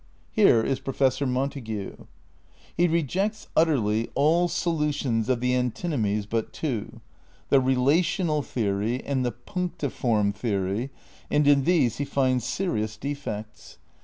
Here is Professor Montague. He rejects utterly all solutions of the antinomies but two: the "relational" theory and the "punctiform" theory, and in these he finds serious defects.